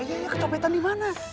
iya kecopetan di mana